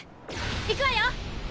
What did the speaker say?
いくわよ！